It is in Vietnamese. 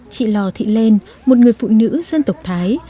chị lò thị lên một người phụ nữ dân tộc thái